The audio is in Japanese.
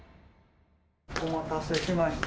お待たせしました。